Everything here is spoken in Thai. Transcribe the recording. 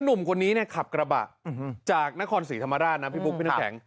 หนุ่มกว่านี้ขับกระบะจากนครศรีธรรมราชพี่บุ๊คพี่นักแข็ง